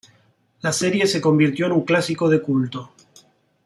La serie se convirtió en un clásico de culto.